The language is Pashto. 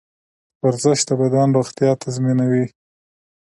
ورزش د بدن روغتیا تضمینوي.